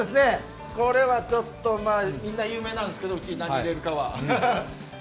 これはちょっとみんな有名なんですけど、うちが何を入れるのかは。